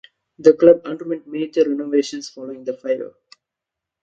The club underwent major renovations following the fire.